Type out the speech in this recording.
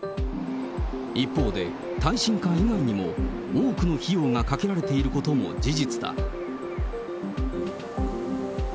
一方で、耐震化以外にも多くの費用がかけられていることも事実だ。